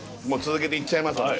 もう続けていっちゃいます